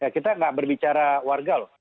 kita nggak berbicara warga loh